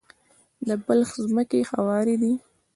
د بلخ ځمکې هوارې دي